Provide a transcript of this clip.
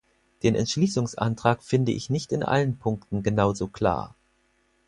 Den Entschließungsantrag finde ich nicht in allen Punkten genauso klar.